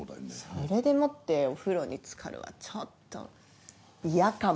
それでもってお風呂につかるはちょっと嫌かも。